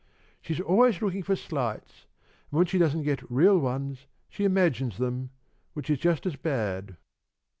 She's always looking for slights, and when she doesn't get real ones, she imagines them, which is just as bad."